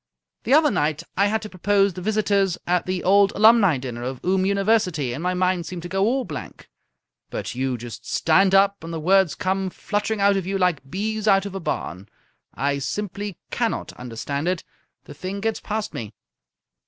The other night I had to propose the Visitors at the Old Alumni dinner of Oom University, and my mind seemed to go all blank. But you just stand up and the words come fluttering out of you like bees out of a barn. I simply cannot understand it. The thing gets past me."